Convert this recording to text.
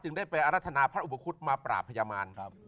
จึงได้ไปเอารัฐณาพระอุปคุฎมาปราบพระยามาน